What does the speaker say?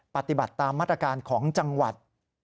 ปฏิบัติตามมาตรการของจังหวัด